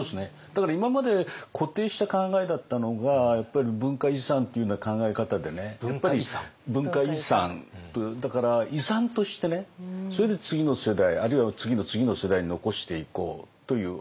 だから今まで固定した考えだったのがやっぱり文化遺産っていうような考え方でね文化遺産だから遺産としてそれで次の世代あるいは次の次の世代に残していこうという。